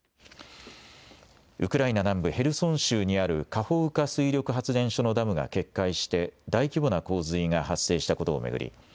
ウクライナ南部ヘルソン州にあるカホウカ水力発電所のダムが決壊して大規模な洪水が発生したことを巡り